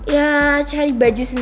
ya cari baju senang